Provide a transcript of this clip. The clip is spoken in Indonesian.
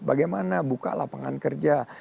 bagaimana buka lapangan kerja